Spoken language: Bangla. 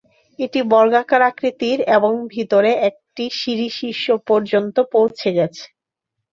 এটি বর্গাকার আকৃতির এবং ভিতরে একটি সিঁড়ি শীর্ষ পর্যন্ত পৌঁছে গেছে।